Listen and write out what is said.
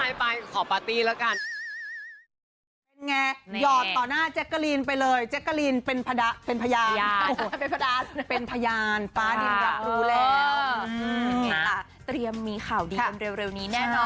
ไม่ไปขอปาตี้ละกัน